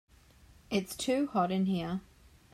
It's too hot in here.